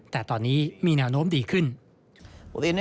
แต่ตอนนี้มีแนวโน้มดีขึ้น